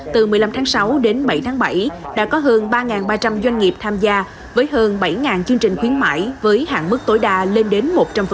từ một mươi năm tháng sáu đến bảy tháng bảy đã có hơn ba ba trăm linh doanh nghiệp tham gia với hơn bảy chương trình khuyến mãi với hạn mức tối đa lên đến một trăm linh